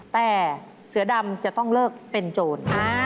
แต่เสือดำจะต้องเลิกเป็นโจร